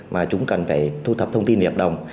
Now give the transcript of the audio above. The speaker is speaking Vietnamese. mà chúng cần phải thu thập thông tin về hợp đồng